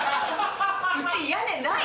うち屋根ないの？